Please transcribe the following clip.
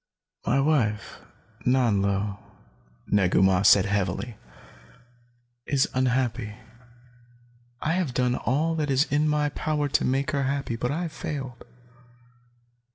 "My wife, Nanlo," Negu Mah said heavily, "is unhappy. I have done all that is in my power to make her happy, but I have failed.